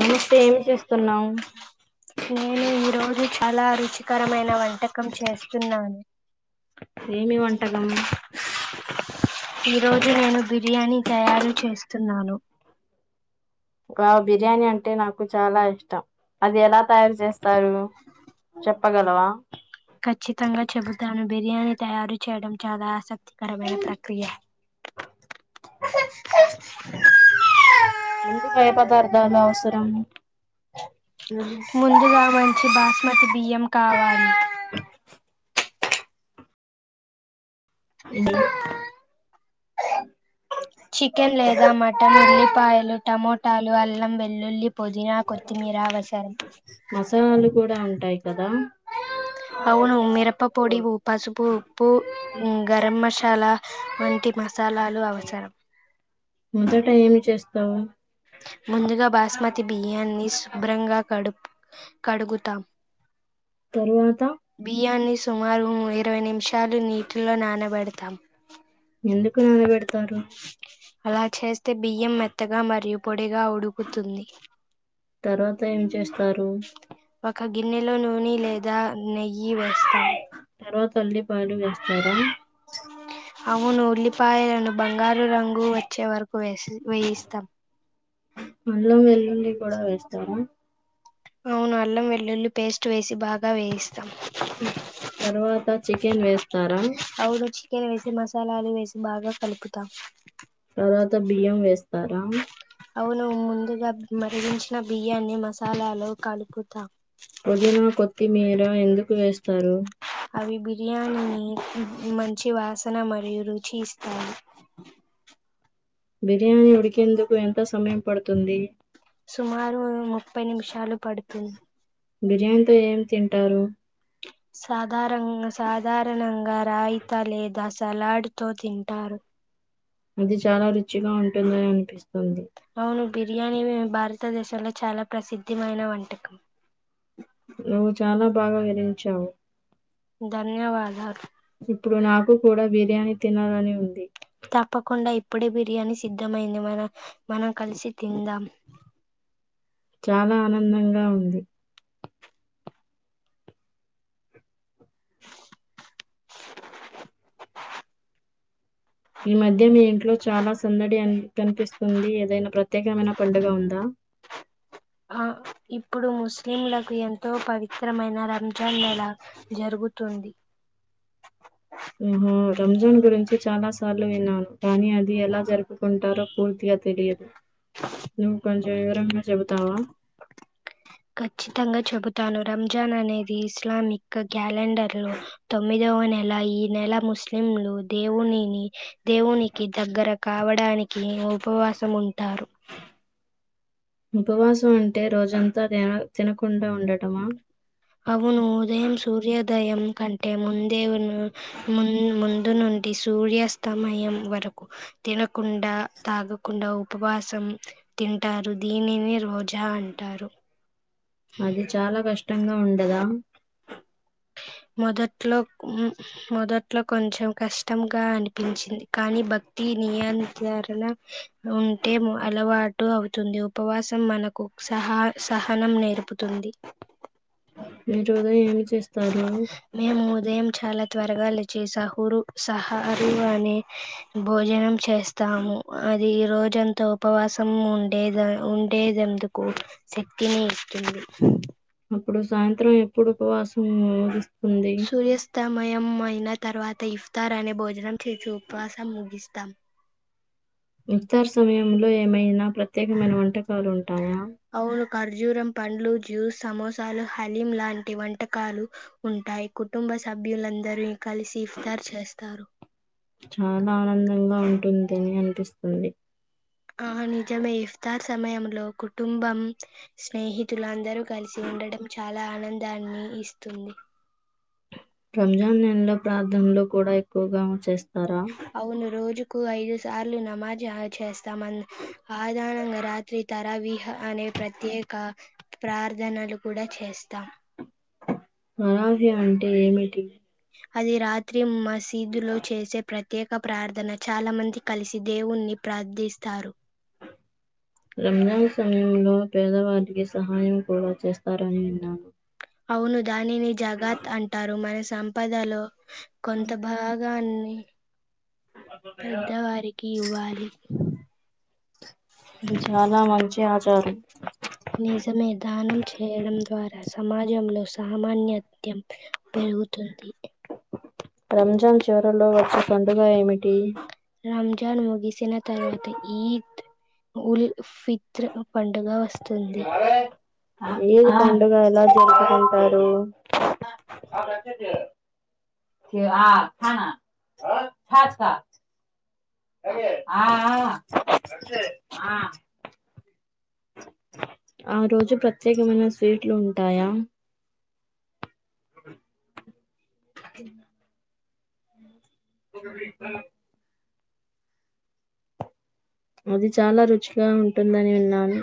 నమస్తే ఏమి చేస్తున్నావ్ నేను ఈరోజు చాలా రుచికరమైన వంటకం చేస్తున్నాను ఏమి వంటలు ఈ రోజు నేను బిర్యానీ తయారు చేస్తున్నాను వావ్ బిర్యానీ అంటే నాకు చాలా ఇష్టం అది ఎలా తయారు చేస్తారు చెప్పగలవా ఖచ్చితంగా చెబుతాను బిర్యానీ తయారు చేయడం చాలా ఆసక్తి కరబైన ప్రక్రియ ముందు పేయి పదార్థాలు అవసరం ఉమ్, ముందుగా మంచి బాస్మతి బియ్యం కావాలి ఇందులో చికెన్ లేదా మటన్ ఉల్లిపాయలు టమోటాలు అల్లం వెల్లుల్లి పుదినా కొత్తిమీరా అవసరం మసాలాలు కూడా ఉంటాయి కదా అవును మిరప్ప పొడి ఉ పసుపు ఉప్పు ఉప్పు ఊ గరం మసాలా వంటి మసాలాలు అవసరం మొదట ఏమి చేస్తావ్ ముందుగా బాస్మతి బియ్యాన్ని శుభ్రంగా కడుప్ కడుగుతాం తరువాత బియ్యాన్ని సుమారు ఇరవై నిమిషాలు నీటిలో నానబెడతాం ఎందుకు నానబెడతారు అలా చేస్తే బియ్యం మెత్తగా మరియు పొడిగా ఉడుకుతుంది తర్వాత ఏం చేస్తారు ఆ గిన్నెలో నూని లేదా నెయ్యి వేస్తాము తల్లి పాలు వేస్తారా అవును ఉల్లిపాయలను బంగారు రంగు వచ్చే వరకు వేసి వేయిస్తాం. అల్లం వెల్లుల్లి కుడా వేస్తారా అవును అల్లం వెల్లుల్లి పేస్ట్ వేసి బాగా వేస్ తర్వాత చికెన్ వేస్తారా [unintelligible] వేసి మసాలాలు వేసి బాగా కలుపుతాం. తర్వాత బియ్యం వేస్తారా అవును ముందుగా మరిగించిన బియ్యాన్ని మసాలాలు కలుపుతాం. పుదీనా కొత్తిమీర ఎందుకు వేస్తారు అవి బిర్యానినీ మంచి వాస న మరియు రుచి ఇస్తాయి. బిర్యానీ ఉడికేందుకు ఎంత సమయం పడుతుంది. సుమారు ముప్పై నిమిషాలు పడుతుంది. బిర్యానీతో ఏం తింటారు సాధారంగా సాధారణంగా రాయిత లేదా సలాడ్ తో తింటారు. అది చాలా రుచిగా ఉంటుందని అనిపిస్ అవును బిర్యానీ భారతదేశంలో చాలా ప్రసిద్ధిమైన వంటకం. బాహు విహరించావు ధన్యవాదాలు ఇప్పుడు నాకు కూడా వే బిర్యానీ తినాలని ఉంది. తప్పకుండా ఇప్పుడు బిర్యానీ సిద్ధమయింది మన మనం కలిసి తిందాం. చానా ఆనందంగా ఉంది ఈ మధ్య మీ ఇంట్లో చాలా సందడి అ కనిపిస్తుంది ఏదైనా ప్రత్యేకమైన పండుగ ఉందా ఆ ఇప్పుడు ముస్లింలకు ఎంతో పవి త్రమైన రంజాన్ నెల జరుగుతుంది. ఆహా, రంజాన్ గురించి చాలా సార్లు విన్నాను కానీ అది ఎలా జరుపుకుంటారో పూర్తిగా తెలియదు. నువ్ కొంచం వివరంగా చెబుతావా ఖచ్చితంగా చెబుతాను రంజాన్ అనేది ఇస్లామిక్ క్యాలెండర్ లో తొమ్మిదో వ నెల ఈ నెల ముస్లింలు దేవునిని దేవునికి దగ్గర కావడాని ఈయన ఉపవాసం ఉంటారు. ఉపవాసం అంటే రోజంతా తిన తినకుండా ఉండటమా అవును ఉదయం సూర్యోదయం కంటే ముందే మ్మ్ ముందు నుండి స్ సూర్యాస్తమయం వరకు తినకుండా తాగకుండా ఉపవాసం తి అంటారు దీనినే రోజా అంటారు. అది చాలా కష్టంగా ఉండదా మొదట్లో మ్మ్ మొదట్లో కొంచెం కష్టంగా అనిపించింది కానీ భక్తి నియంతరణ ఉంటే అలవాటు అవుతుంది ఉపవాసం మన సహ సహనం నేర్పుతుంది. మీ చోద ఏమి చేస్ మేము ఉదయం చాలా త్వరగా లేచి సహురు సహారు అని భోజనం చేస్తాము. అది రోజంతా ఉపవాసం ఉండేదె ఉండేదెందుకు శక్తిని ఇస్తుంది ఇప్పుడు సాయంత్రం ఎప్పుడు ఉపవాసం ఊ సూర్యస్తమయం మైన తర్వాత ఇఫ్తార్ అనే భోజనం చేసి ఉపవాసం ముగిస్తాం ఇఫ్తార్ సమయంలో ఏమైనా ప్రత్యేకమైన వంటకాలు ఉంటాయా అవును ఖర్జూరం పండ్లు జ్యూస్ సమోసాలు హలీం లాంటి వంటకాలు ఉంటాయ్ కుటుంబ సభ్యులందరి కలిసి ఇఫ్తార్ చేస్తారు చానా ఆనందంగా ఉంటుందని అనిపిస్తుంది ఆ నిజమే ఇఫ్తార్ సమయంలో కుటుంబం స్నేహితులందరూ కలిసి ఉండడం చాలా ఆనందాన్ని ఇస్తుంది రంజాన్ నెలలో ప్రార్థనలు కూడా ఎక్కువగా చేస్ అవును రోజు కు ఐదు సార్లు నమాజ్ ఆ చేస్తామన్ ఆధాణంగా రాత్రి తర విహ్ అనే ప్రత్యేక ప్రార్థనలు కూడా చేస్తాం నవాజే అంటే ఏమిటి అది రాత్రి మసీదు లో చేసే ప్ర త్యేక ప్రార్థన చాలా మంది కలిసి దేవుణ్ణి ప్రార్థిస్తారు రంజాన్ స పేదవారికి సహాయం కూడా చేస్తారని విన్నాను అవును దానిని జగాత్ అంటారు మన సంపదలో కొంత భాగాన్ న్ని పెద్దవారికి ఇవ్వాలి ఇది చాలా మంచి ఆచారం నిజమే దానం చేయడం ద్వారా సమాజంలో సామాన్త్యం పె రుగుతుంది రంజాన్ చివరలో వచ్చే పండుగ ఏమిటి రంజాన్ ముగిసిన తర్వాత ఈద్ ఉల్ ఫిత్ర్ పండుగ వ ఈద్ పండగ ఎలా జరుపుకుంటారు [unintelligible] త్యా హా హాత్ వా ఆ ఆ ఆ ఆ రోజు ప్రత్యేకమైన స్వీట్లు ఉంటాయా బుగవీక్తా అది చాలా రుచిగా ఉంటుందని విన్నాను